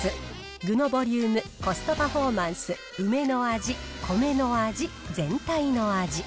具のボリューム、コストパフォーマンス、梅の味、米の味、全体の味。